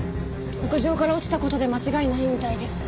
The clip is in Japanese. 屋上から落ちた事で間違いないみたいです。